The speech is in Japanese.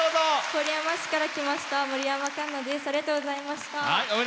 郡山市から来ましたもりやまです。